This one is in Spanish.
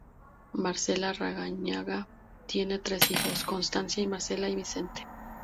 Marcela Larrañaga y tienen tres hijos: Constanza, Marcela y Vicente.